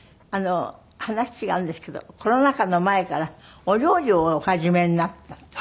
話違うんですけどコロナ禍の前からお料理をお始めになったって。